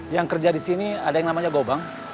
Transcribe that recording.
yang kerja di sini ada yang namanya gobang